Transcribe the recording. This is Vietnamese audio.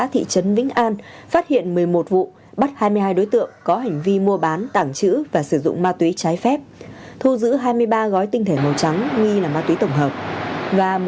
thị trấn và các xã tỉnh đồng nai để tìm hiểu về các loại tội phạm